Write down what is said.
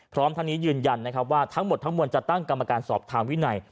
พร้อมทั้งนี้ยืนยันนะครับว่าทั้งหมดทั้งมวลจะตั้งกรรมการสอบทางวินัย